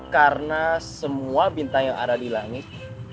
karena semua bintang yang ada di langit